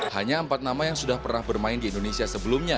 hanya empat nama yang sudah pernah bermain di indonesia sebelumnya